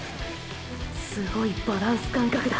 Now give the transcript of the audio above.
すごいバランス感覚だ。